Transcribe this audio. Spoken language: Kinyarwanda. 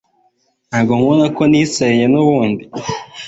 ibyago bisimburana n'ibindi byago